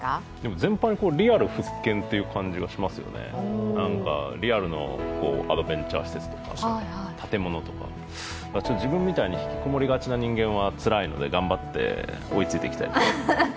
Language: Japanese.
全般にリアル復権という感じがしますよね、建物とか、自分みたいに引きこもりがちな人間はつらいので頑張って追いついていきたいと思います。